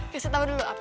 kasih tau dulu apa